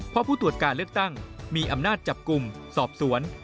เพราะผู้ตรวจการเลือกตั้งมีอำนาจจับกลุ่มสอบสวน